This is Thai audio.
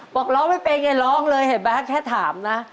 บอกร้องไม่เป็นไงร้องเลยเห็นไหมแค่ถามนะ